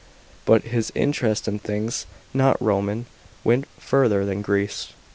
But his interest in things not Roman went further than Greece.